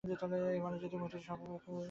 এই মানবজন্মেই মুক্তির সর্বাপেক্ষা অধিক সুবিধা।